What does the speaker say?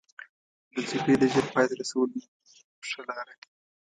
د جګړې د ژر پای ته رسولو ښه لاره.